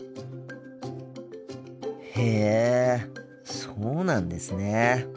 へえそうなんですね。